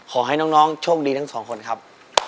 ขอให้น้องโชคดีทั้งสองคนครับ